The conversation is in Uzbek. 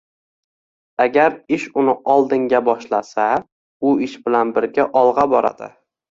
Agar ish uni oldinga boshlasa, u ish bilan birga olg’a boradi.